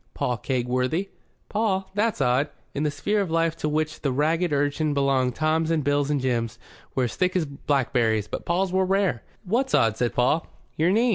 "Paul Kegworthy." "Paul? That's odd." In the sphere of life to which the ragged urchin belonged Toms and Bills and Jims were as thick as blackberries, but Pauls were rare. "What's odd?" said Paul. "Your name.